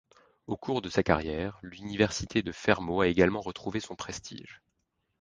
Au cours de sa carrière, l'université de Fermo a également retrouvé son prestige.